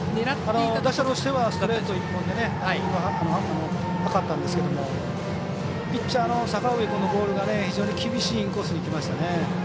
打者としてはストレート一本でタイミング合ってなかったんですがピッチャーの阪上君のボールが非常に厳しいインコースにいきました。